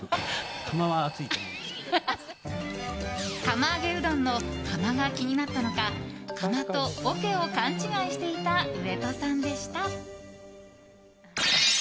釜揚げうどんの釜が気になったのか釜とおけを勘違いしていた上戸さんでした。